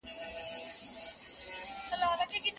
په ښوونځي کي ماشومانو ته تل ښه فکرونه ورښودل کېږي.